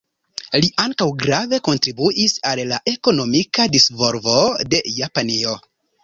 Li ankaŭ grave kontribuis al la ekonomika disvolvo de Japanio.